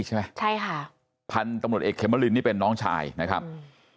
ใช่ไหมใช่ค่ะพันธุ์ตำรวจเอกเขมรินนี่เป็นน้องชายนะครับอืม